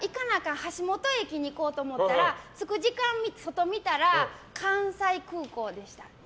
橋本駅に行こうと思ったら着く時間に外見たら関西空港でした。